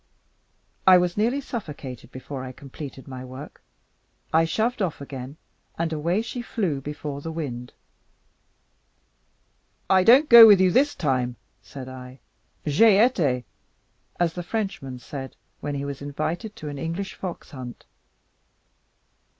I was nearly suffocated before I had completed my work. I shoved off again, and away she flew before the wind. "I don't go with you this time," said I; "J'ai été", as the Frenchman said, when he was invited to an English foxhunt.